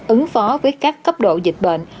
ứng phó với các cấp độ dịch bệnh